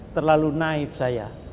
terlalu naif saya